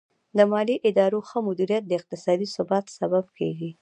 د مالي ادارو ښه مدیریت د اقتصادي ثبات سبب کیږي.